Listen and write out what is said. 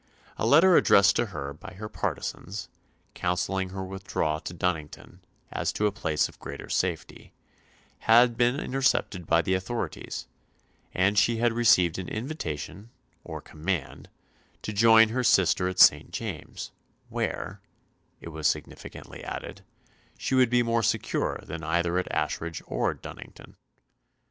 A letter addressed to her by her partisans, counselling her withdrawal to Dunnington, as to a place of greater safety, had been intercepted by the authorities; and she had received an invitation, or command, to join her sister at St. James's, where, it was significantly added, she would be more secure than either at Ashridge or Dunnington.